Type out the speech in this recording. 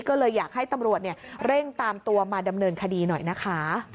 ก็เลยอยากให้ตำรวจเร่งตามตัวมาดำเนินคดีหน่อยนะคะ